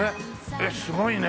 えっすごいね。